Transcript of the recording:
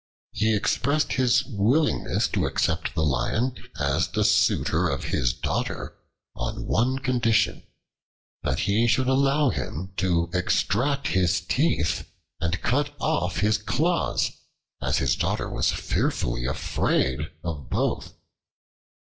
He expressed his willingness to accept the Lion as the suitor of his daughter on one condition: that he should allow him to extract his teeth, and cut off his claws, as his daughter was fearfully afraid of both.